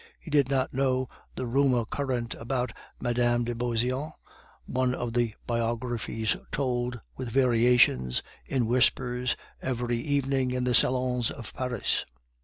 He did not know the rumor current about Mme. de Beauseant, one of the biographies told, with variations, in whispers, every evening in the salons of Paris.